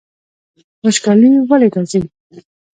وچکالي ولې راځي؟